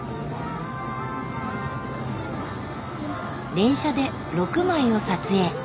連写で６枚を撮影。